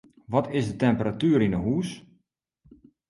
Wat is de temperatuer yn 'e hûs?